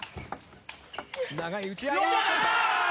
長い打ち合い。